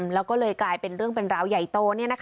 แล้วก็เลยกลายเป็นเรื่องเป็นราวใหญ่โต